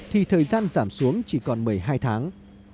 thì thời gian giảm xuống chỉ còn một mươi hai tháng